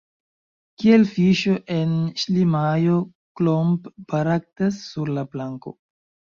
Kiel fiŝo en ŝlimajo Klomp baraktas sur la planko.